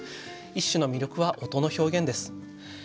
一首の魅力は音の表現です。